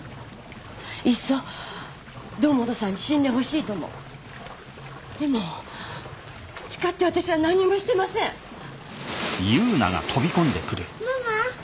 いっそ堂本さんに死んでほしいともでも誓って私は何にもしてませんママ！